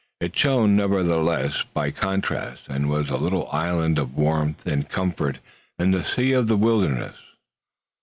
It shone, nevertheless, by contrast, and was a little island of warmth and comfort in the sea of the wilderness.